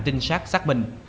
tinh sát xác minh